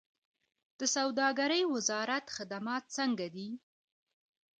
د سوداګرۍ وزارت خدمات څنګه دي؟